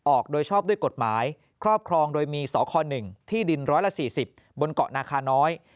ออกโดยชอบด้วยกฎหมายครอบครองโดยมีสค๑ที่ดิน๑๔๐บนเกาะนาคาน้อย